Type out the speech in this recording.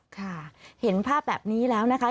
ค่ะเห็นภาพแบบนี้แล้วนะคะ